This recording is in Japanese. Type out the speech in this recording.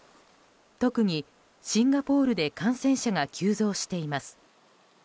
特にシンガポールで感染者が急増しています。